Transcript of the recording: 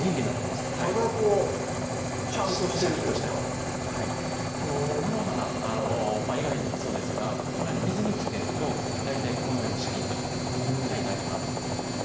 はい葉がしゃんとしてるというかこの菜の花以外でもそうですがこのように水につけると大体このようにシャキッとなります